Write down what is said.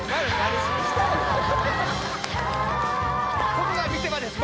ここが見せ場です